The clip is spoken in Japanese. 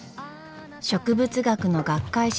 植物学の学会誌